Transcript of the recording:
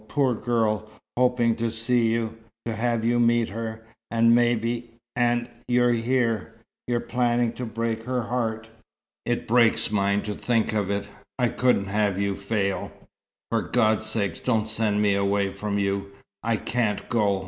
Poor girl, hoping to see you to have you meet her, maybe, and you're here. You're planning to break her heart. It breaks mine to think of it. I couldn't have you fail." "For God's sake don't send me away from you. I can't go.